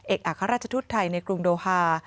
เอกอัครราชทุธิ์ไทยในกรุงโดฮา